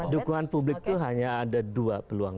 dukungan publik itu hanya ada dua peluang